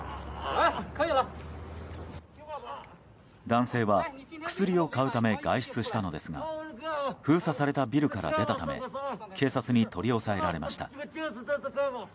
男性は薬を買うため外出したのですが封鎖されたビルから出たため警察に取り押さえられました。